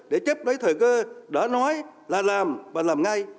để chấp lấy thời cơ đã nói là làm và làm ngay